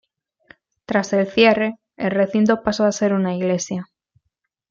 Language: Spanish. Tras el cierre, el recinto pasó a ser una iglesia.